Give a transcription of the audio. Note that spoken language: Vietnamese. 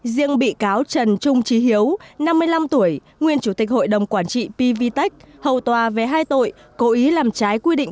riêng bị cáo trần trung trí hiếu năm mươi năm tuổi nguyên chủ tịch hội đồng quản trị pvtec hầu tòa về hai tội cố ý làm trái quy định